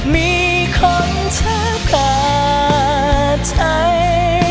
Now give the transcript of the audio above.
มีคนเธอกาดใจ